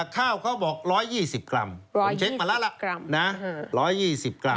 ข้าวเขาบอก๑๒๐กรัมผมเช็คมาแล้วล่ะ๑๒๐กรัม